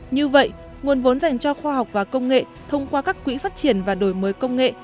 như vậy nguồn vốn dành cho khoa học và công nghệ thông qua các quỹ phát triển và đổi mới công nghệ